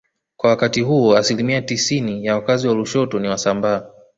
Kwa wakati huo asilimia tisini ya wakazi wa Lushoto ni Wasambaa